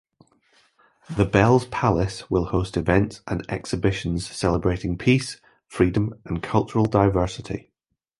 The Bells Palace will host events and exhibitions celebrating peace, freedom and cultural diversity.